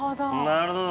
なるほど。